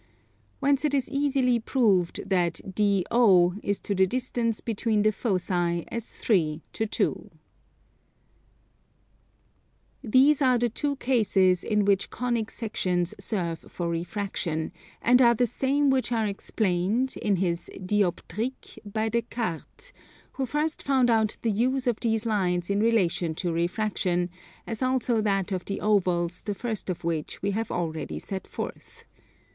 Whence it is easily proved that DO is to the distance between the foci as 3 to 2. These are the two cases in which Conic sections serve for refraction, and are the same which are explained, in his Dioptrique, by Des Cartes, who first found out the use of these lines in relation to refraction, as also that of the Ovals the first of which we have already set forth.